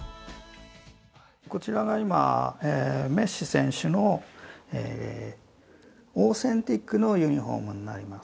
こちらが今、メッシ選手のオーセンティックのユニホームになります。